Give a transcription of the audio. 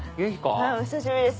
はいお久しぶりです。